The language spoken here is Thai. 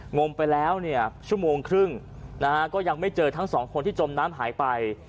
งมไปแล้วเนี่ยชั่วโมงครึ่งนะฮะก็ยังไม่เจอทั้งสองคนที่จมน้ำหายไป